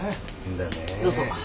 どうぞ。